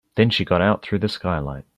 Then she got out through the skylight.